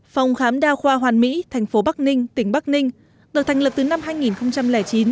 phòng khám đa khoa hoàn mỹ thành phố bắc ninh tỉnh bắc ninh được thành lập từ năm hai nghìn chín